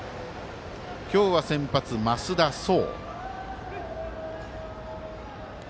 今日は先発、増田壮。